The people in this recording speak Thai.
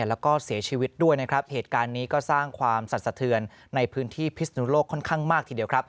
แล้วก็เสียชีวิตด้วยนะครับเหตุการณ์นี้ก็สร้างความสัดสะเทือนในพื้นที่พิศนุโลกค่อนข้างมากทีเดียวครับ